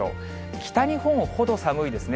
北日本ほど寒いですね。